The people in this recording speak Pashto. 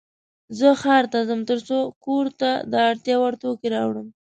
زه ښار ته ځم ترڅو د کور د اړتیا وړ توکې راوړم.